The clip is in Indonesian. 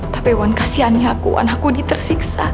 tapi wan kasihan aku wan aku tersiksa